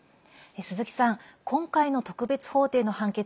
鈴木さん、今回の特別法廷の判決